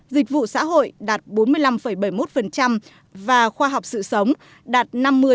dịch vụ xã hội đạt bốn mươi năm bảy mươi một và khoa học sự sống đạt năm mươi